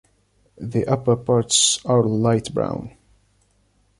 The upper parts are light brown.